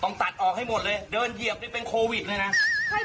ตัดออกให้หมดเลยเดินเหยียบนี่เป็นโควิดเลยนะ